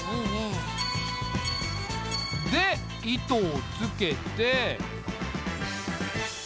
で糸をつけて。